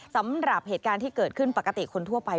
สำหรับเหตุการณ์ที่เกิดขึ้นปกติคนทั่วไป